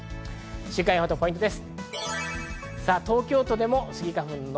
週間予報とポイントです。